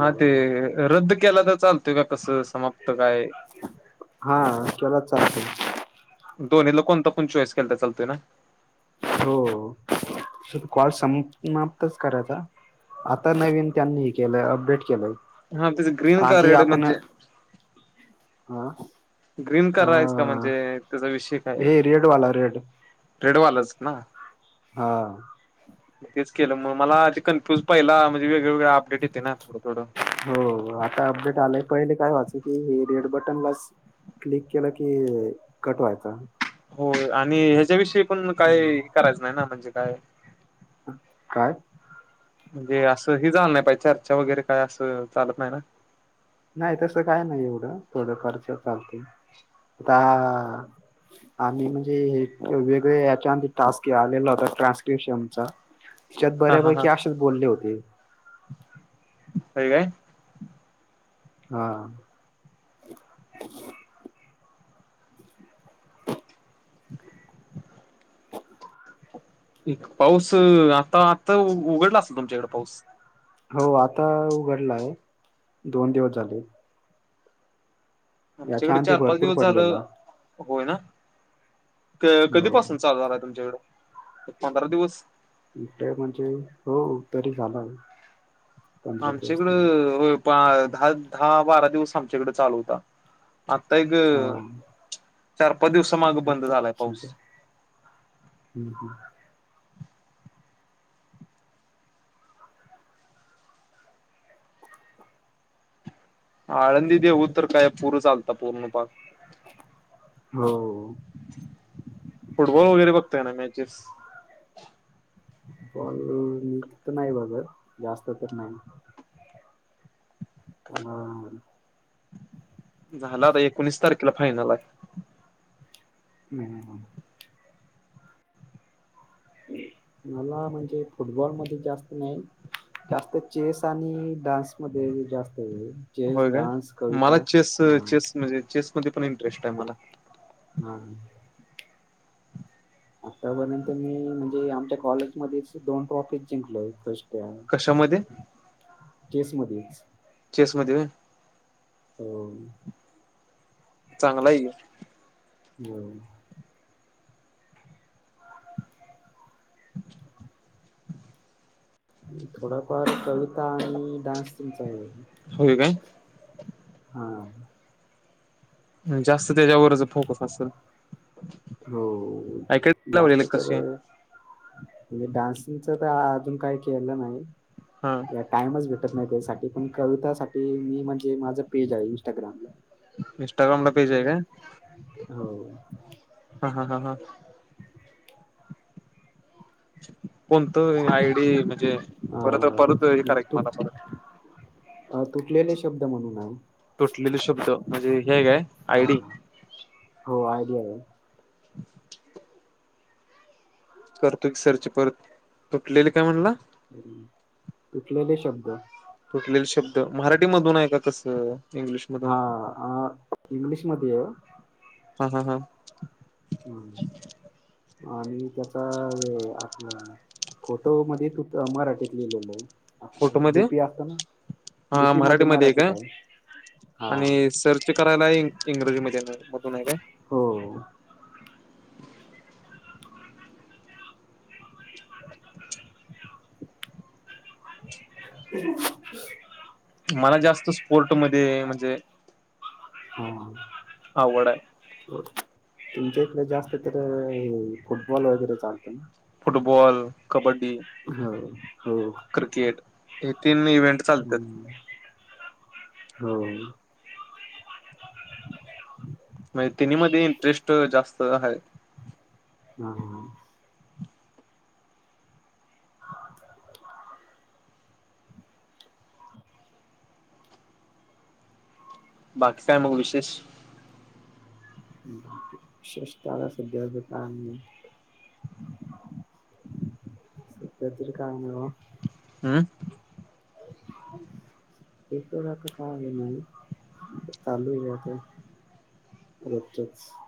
हा ते बोला. रद्द केला तर चालतोय का कसं समाप्त काय? हा केला त चालतोय. दोन्हीतला कोणता पण चॉईस केला त चालतोय ना? हो हो कॉल सम माप्तच करायचा. आता नवीन त्यांनी हे केलंय अपडेट केलंय हा त्याच ग्रीन का आधी रेड आपणं म्हणजे हां. ग्रीन करायचं म्हणजे त्याचा विषय काय हे रेडवाला रेड ट्रेडवालंच ना? हां. तेच केलं म मला ते कन्फ्यूज पहिला म्हणजे वेगळे वेगळे अपडेट येत ना थोडं थोडं. हो आता अपडेट आलाय पहिले काय व्हायचं की हे रेड बटनलाच क्लिक केल की कट व्हायचा. होय आणि ह्याच्याविषयी पण मग काय हम्म. करायचं नाही ना म्हणजे काय? काय? म्हणजे असं हे झालं नाई पाहिजे चर्चा वगैरे काय असं चालत नाही ना? नाही तसं काय नाही एवढं थोडं फारसं चालते. आता आणि म्हणजे हे वेगळे याच्यांधी टास्के आलेला होता ट्रान्स्क्रिपशनचा. च्यात बऱ्यापैकी आशेच बोलले होते. होय काय? हा. [inaudible] [inaudible] एक पाऊस अ आत्ता आत्ता ऊ ऊघडला असलं तुमच्याकडं पाऊस? हो आता उघडलाय आहे, दोन दिवस झाले. याच्या आमच्याकडे आधी चार पाच भरपूर दिवस पडलेला झालं होय ना क हो कधीपासून चालू झालाय तुमच्याकडं? एक पंधरा दिवस. इकडे म्हणजे हो तरी झालाय. आमच्याकडं होय पा दहा दहा बारा दिवस आमच्याकडं चालू होता. आत्ता एक हा चार पाच दिवसा मागं बंद आता झालाय पाऊस. समजा हम्म हम! आळंदी देहू तर काय पुरंच आलता पूर्ण पाक. हो. फुटबॉल वगैरे बघतय ना मॅचेस? बॉल नाही बघत जास्त तर नाही. पण झाला आता एकोणीस तारखेला फायनल आहे. हं हं हं. मला म्हणजे फुटबॉल मध्ये जास्त नाही जास्त चेस आणि डान्स मध्ये जास्त हे आहे. चेस होय का डान्स मला कविता चेस हा चेस म्हणजे चेस मध्ये पण इंटरेस्ट आहे मला. हा हा. आतापर्यंत मी म्हणजे आमच्या कॉलेजमध्ये दोन ट्रॉफी जिंकलोय फर्स्ट त्या कशामध्ये केस मध्येच. चेसमध्ये व्हय? हो. चांगलाय [unintelligible] हम. म थोडाफार कविता आणि डान्स तुमचा आहे. होय काय? हां. जास्त त्याच्यावरच फोकस असल? हो. जास्त कसे तर- म्हणजे डान्सिंगच तर अजून काही केलं नाही. हा. टाइमच भेटत नाही त्यासाठी. पण कवितासाठी मी म्हणजे माझं पेज आहे इंस्टाग्रामला. इंस्टाग्रामला पेज आहे काय हो. हां. हां. हां. हां. [inaudible] कोणत आय डी म्हणजे परत परत हे करा की तु मला परत. अ तुटलेले शब्द म्हणून आहे. तुटलेले शब्द म्हणजे हे आहे काय? आय हा डी? हो आय डि आहे. [inaudible] करतो की सर्च परत. तुटलेली काय म्हणला? हम. तुटलेले शब्द. तुटलेले शब्द. मराठीमधून आहे का कस? हां. आ इंग्लिशमधे आहे. हां. हां. हां. हं. आणि त्याचा हे आपलं- फोटो मध्ये [unintelligible] मराठीत लिहिलेल फोटो आहे. डी मध्ये पी असतो ना? डी हा पी मध्ये मराठीमध्ये मराठीत आहे. हा. चेक करायलाही इंग्रजी मध्ये मधून आहे काय? हो. [inaudible] मला जास्त स्पोर्ट मध्ये म्हणजे- हम्म. आवड आहे. तुमच्या इकडे जास्त तर अ -फुटबॉल वगैरे चालत ना? फुटबॉल, कबड्डी. होय. हो. क्रिकेट. हे तीन इव्हेन्ट - हम्म. होय. म्हणजे तिनी मध्ये इंटरेस्ट जास्त हाये. हां. हां. हं. [inaudible] बाकी च काय मग विशेष? विशेष [unintelligible] सध्या काय नाही. [inaudible] सध्या तरी काम मिळावं. हू. [inaudible] येत जातं काम आहे ना हे. [unintelligible] चालू द्यायचं. [unintelligible]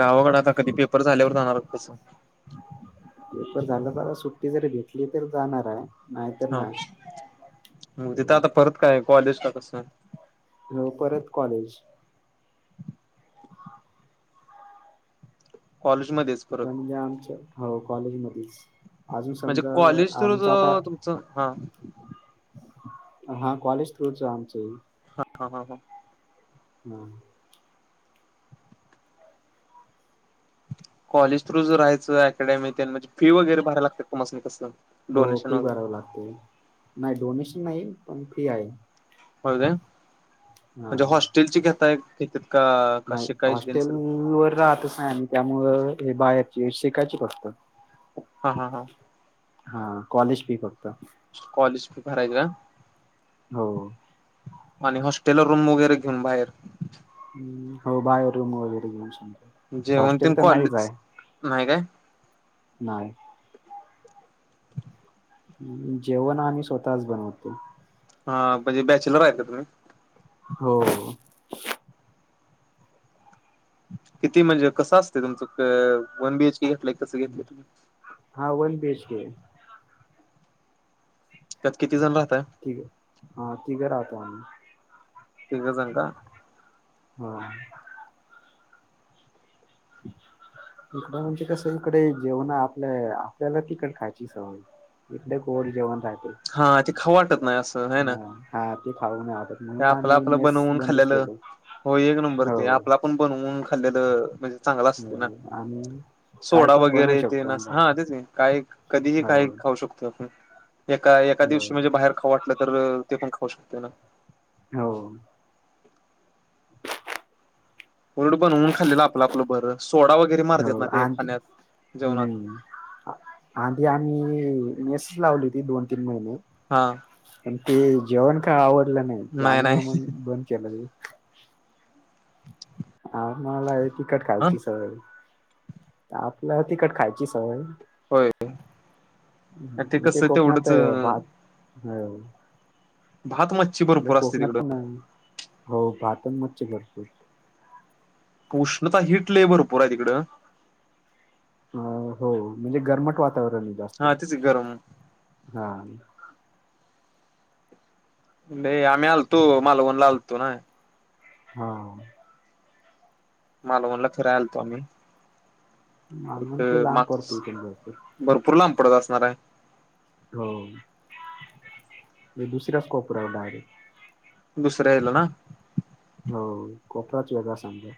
गावाकड आता कधी पेपर झाल्यावर जाणारत कसं? पेपर झाल का सुट्टी जरी घेतली तर जाणार आहे. नाहीतर हा नाही हू तिथ आता परत काय कॉलेज का कस? म परत कॉलेज. कॉलेजमधेच. तिथं म्हणजे आमच्या, हो कॉलेजमधेच. अजून म्हणजे समजा कॉलेज थ्रू आमच आता तुमचं हा हा कॉलेज थ्रूच आहे आमचही. [unintelligible] हम. कॉलेज थ्रू जर राहायचं अकॅडेमी त्यांना फी वगैरे भरायला लागता [unintelligible] कस? हो फी भरावं लागते. नाही डोनेशन नाही, पण फी आहे. हो काय? हा म्हणजे हॉस्टेलची घेतायत त्याच्यात का का नाही, शिकायची हॉस्टेल त्यांचं वर राहतच नाही आम्ही. त्यामुळं हे बाहेरची शिकायची फक्त. हा हा हा. हा कॉलेज फी फक्त. कॉलेज फी भरायचं आ. हो. आणि हॉस्टेलवर रूम वगैरे घेऊन बाहेर? हम् हो बाहेर रूम वगैरे घेऊन [unintelligible] जेवण तीन हॉस्टेल तर नाहीच आहे कॉलेज नाही काय? नाही. जेवण आम्ही स्वतःच बनवतो. हा म्हणजे बॅचलर आहे का तुम्ही? हो. किती म्हणजे कस असते तुमचं? क वन बी एच के घेतलंय कसं घेतलं तुम्ही? हा वन बी एच के आहे. त्यात किती जण राहता? तिघ हा तिघ राहतो आम्ही. तिघं जण का? [unintelligible] इकडं म्हणजे कस इकडे जेवण आपल्या आपल्याला तिकट खायची सवय. इकडे गोड जेवण रायते. हा ते खाऊ वाटत नाय असं, हाय ना? हा ते खाऊ नाही वाटत ते म्हणून आपलं आम्ही आपलं मेस बनवून बंदच खाल्लेलं केले. हो एक नंबर हो. ते आपला पण बनवून खाल्लेल म्हज चांगल असते हो ना, आणि काय सोडा पण बनवू वगैरे ते शकतो नस मग हा आपण तेच की काय कधीही हो काही खाऊ शकतो आपण. एका एका हो दिवशी म्हणजे बाहेर खाऊ वाटलं तर ते पण खाऊ शकतो ना? हो. उलट बनवून खाल्लेलं आपलं आपलं बरं. सोडा वगैरे मारतात हो ना ते खाण्यात जेवणात आधीं आम्ही मेसस लावली होती दोन तीन महिने. हा, पण ते जेवण काय आवडलं नाही. त्यामुळं मग बंद केलं मी. आम्हाला आहे तिखट ह खायची सवय आपला तिखट खायची सवय होय ते इथे कसं तेवढंच कोकणातं भात ह भात मच्छी भरपूर असते पण तिकडं. हो भातण मच्छी भरपूर उष्णता हिट लई भरपूर आहे तिकडं. अ हो म्हणजे गरमट वातावरण आहे. हा जास्त. तेची गरम हा, लय आम्ही आलतो मालवणला आलतो ना, हा, मालवणला फिराय आलतो आम्ही. मालवण एक बी लांब माग पडतो. [unintelligible] भरपूर लांब पडत असणार आहे. हो. वे दुसरा कोपरा डायरेक्ट दुसऱ्या याला ना, हो. कोपराच वेगळा समजा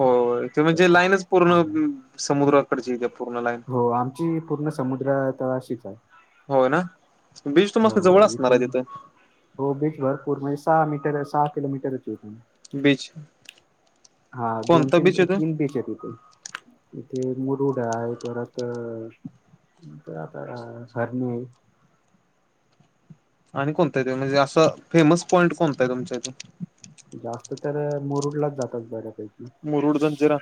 होय ते म्हणजे लाईनच पूर्ण समुद्राकडची येते पूर्ण लाईन हो. आमची पूर्ण समुद्रातळाशीच आहे. होय ना, बीज त मस्त जवळ हो असणार आहे इथून तिथून हो बीचवर पूर्ण सहा मीटर सहा किलोमीटर येते इथून बीचं हा दोन तीन तीन बीच आहे तिथे इथे मुरुडा आहे. परत आता हरणे आहेत. आणि कोणतं आहे ते म्हणजे असं फेमस पॉइंट कोणतं आहे तुमच्या इथून जास्त तर मुरुडलाच जातात बऱ्यापैकी मुरुड जंजिरा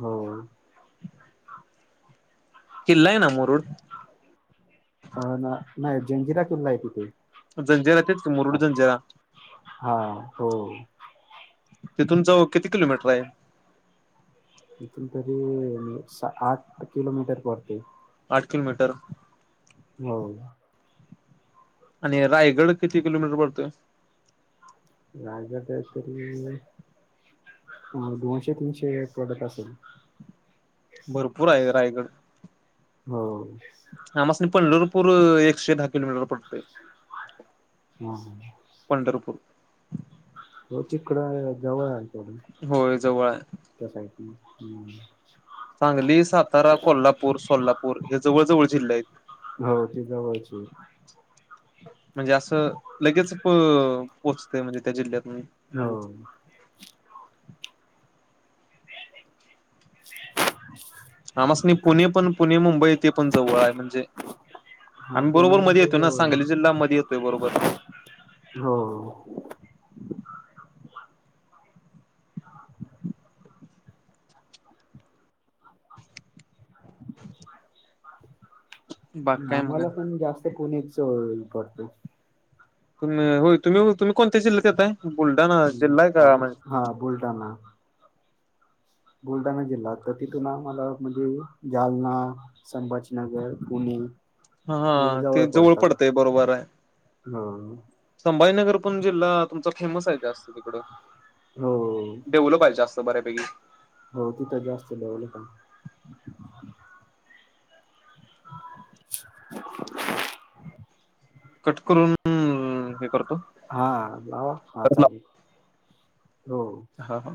हो. किल्ला आहे ना मुरूड? अ न नाही जंजिरा किल्ला आहे. तिथे जंजिरा तेच मुरुड वाटतं. जंजिरा हा हो. तेथून जव किती किलोमीटर आहे. इथून तरी सा आठ किलोमीटर पडते. आठ किलोमीटर हो. आणि रायगड किती किलोमीटर परतोय. रायगड [unintelligible] तरी ह दोनशे तीनशे पडत असल. भरपूर आहे रायगड हो. आमसण पंढरपूर एकशे दहा किलोमीटर पडतंय. हम् पंढरपूर हो तिकडं हाय जवळ- होय जवळ हाय. त्या साईटन. हम्म सांगली, सातारा, कोल्हापूर, सोलापूर हे जवळ जवळ जिल्हे आहेत हो ती जवळची. म्हणजे असं लगेच पोहोचत म्हणजे त्या जिल्ह्यात- हो [inaudible] आमासनी पुणे पण पुणे मुंबई येथे पण जवळ आहे म्हणजे, हा आम्ही पुणे बरोबर मध्ये म्हणजे येतोय ना सांगली जिल्हा मध्ये येतोय बरोबर. हो हो हा बाकी काय मग आम्हाला आणि पण जास्त पुण्याच जवळ पडतं. तु हो तुम्ही तुम्ही कोणत्या जिल्ह्यात येताय. बुलडाणा ना हा बुलडाणा बुलढाणा जिल्हा, तर तिथून आम्हाला म्हणजे जालना. संभाजीनगर, पुणे, हा हा हे ते जवळ पडतात पडतंय बरोबर आहे. हो संभाजीनगर पण जिल्हा तुमचा फेमस आहे जास्त तिकडं. हो डेवलफ आहे जास्त बऱ्यापैकी. हो तिथं जास्त डेवलफ आहे. [inaudible] कट करून हे करतो. हा लावा हा परत लाव चालेल हो, हा हा